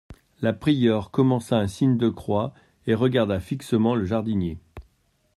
La prieure commença un signe de croix, et regarda fixement le jardinier.